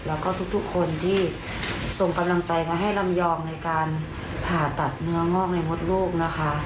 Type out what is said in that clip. แล้วก็ทุกคนที่ส่งกำลังใจมาให้ลำยองในการผ่าตัดเนื้องอกในมดลูกนะคะ